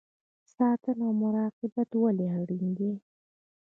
ساتنه او مراقبت ولې اړین دی؟